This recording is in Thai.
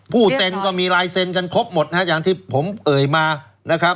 เซ็นก็มีลายเซ็นกันครบหมดนะฮะอย่างที่ผมเอ่ยมานะครับ